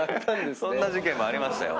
そんな事件もありましたよ。